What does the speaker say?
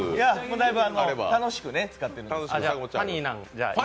だいぶ楽しく使っています。